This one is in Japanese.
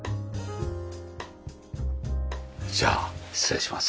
じゃあ失礼します。